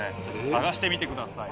探してみてください。